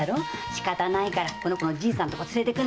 仕方ないからこの子のじいさんとこ連れてくんだ。